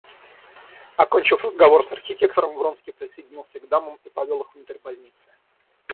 Окончив разговор с архитектором, Вронский присоединился к дамам и повел их внутрь больницы.